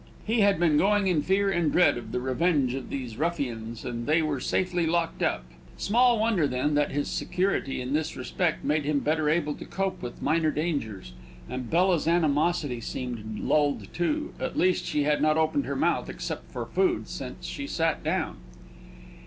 He had been going in fear and dread of the revenge of these ruffians, and they were safely locked up; they could trouble him no more. Small wonder, then, that his security in this respect made him better able to cope with minor dangers; and Bella's animosity seemed lulled, too at least, she had not opened her mouth, except for food, since she sat down.